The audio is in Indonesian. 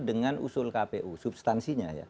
dengan usul kpu substansinya ya